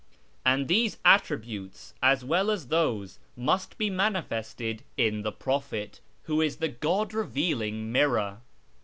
And these Attributes as well as those must be manifested in the prophet, who is the God revealing mirror."